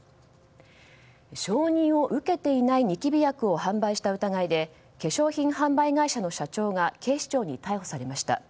承認を受けていないニキビ薬を販売した疑いで化粧品販売会社の社長が警視庁に逮捕されました。